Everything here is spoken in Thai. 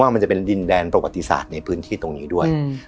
มันจะเป็นดินแดนประวัติศาสตร์ในพื้นที่ตรงนี้ด้วย